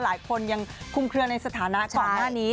หลายคนยังคุมเคลือในสถานะก่อนหน้านี้